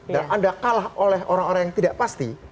dan anda kalah oleh orang orang yang tidak pasti